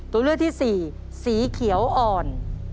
ตัวเลือกที่สี่สีเขียวอ่อน